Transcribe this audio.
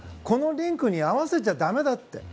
このリンクに合わせちゃだめだ。